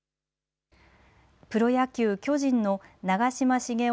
プロ野球、巨人の長嶋茂雄